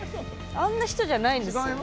あんな人じゃないんです。